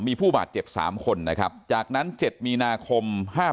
มีผู้บาดเจ็บ๓คนนะครับจากนั้น๗มีนาคม๕๘